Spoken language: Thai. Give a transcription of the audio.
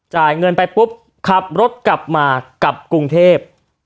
จ่ายเงินไปปุ๊บขับรถกลับมากลับกรุงเทพ